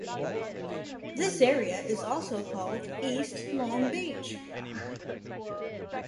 This area is also called East Long Beach.